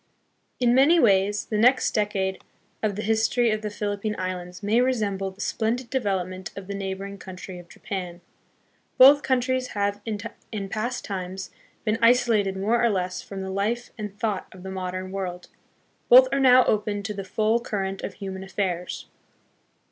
In many ways the next decade of the history of the Philip pine Islands may resemble the splendid development of the neighboring country of Japan. Both countries have in past times been isolated more or less from the life and thought of the modern world. Both are now open to the full current of human affairs.